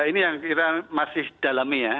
ini yang kita masih dalami ya